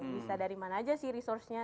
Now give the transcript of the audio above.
bisa dari mana aja sih resourcenya